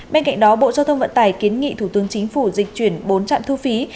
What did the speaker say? bên cạnh đó bộ giao thông vận tải kiến nghị thủ tướng chính phủ dịch chuyển bốn trạm thu phí